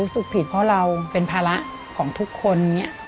รู้สึกผิดเพราะเราเป็นภาระของทุกคน